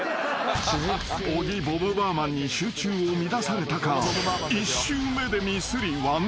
［小木ボムバーマンに集中を乱されたか１周目でミスりワンアウト］